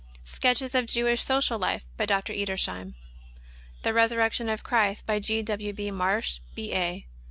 Sketches of Jewish Social Life, by Dr. Edersheim. The Resurrection of Christ, by G. W. B. Marsh, B. A.